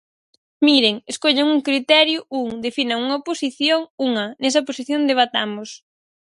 Miren, escollan un criterio, un, definan unha posición, unha, nesa posición debatamos.